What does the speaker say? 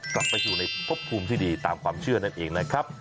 กลับไปสู่ในพบภูมิที่ดีตามความเชื่อนั่นเองนะครับ